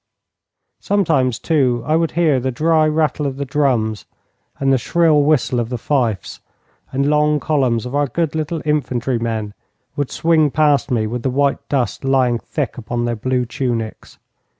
Sometimes, too, I would hear the dry rattle of the drums and the shrill whistle of the fifes, and long columns of our good little infantry men would swing past me with the white dust lying thick upon their blue tunics.